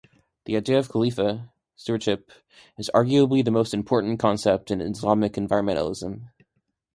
The idea of khalifah (stewardship) is arguably the most important concept in Islamic environmentalism.